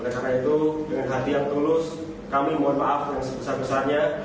oleh karena itu dengan hati yang tulus kami mohon maaf yang sebesar besarnya